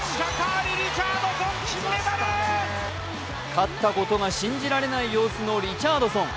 勝ったことが信じられない様子のリチャードソン。